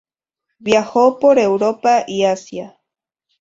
Viajó por Europa y Asia.